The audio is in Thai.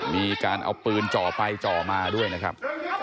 มีการเอาปืนจ่อไปจ่อมาด้วยนะครับ